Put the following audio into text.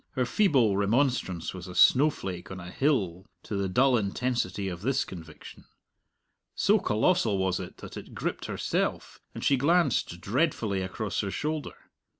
Her feeble remonstrance was a snowflake on a hill to the dull intensity of this conviction. So colossal was it that it gripped herself, and she glanced dreadfully across her shoulder.